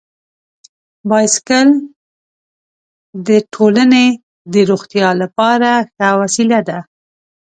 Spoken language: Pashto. بایسکل د ټولنې د روغتیا لپاره ښه وسیله ده.